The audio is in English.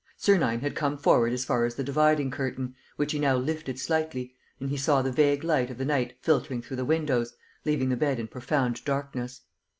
Sernine had come forward as far as the dividing curtain, which he now lifted slightly, and he saw the vague light of the night filtering through the windows, leaving the bed in profound darkness.